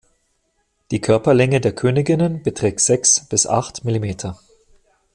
Die Körperlänge der Königinnen beträgt sechs bis acht Millimeter.